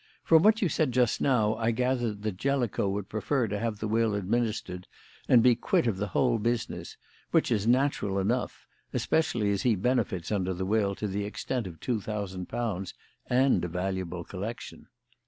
From what you said just now I gathered that Jellicoe would prefer to have the will administered and be quit of the whole business; which is natural enough, especially as he benefits under the will to the extent of two thousand pounds and a valuable collection.